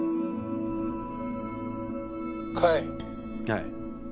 はい。